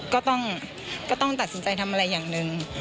ก็ต้องตัดสินใจทำอะไรอย่างหนึ่ง